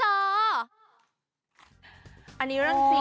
จแจ๊กริมจ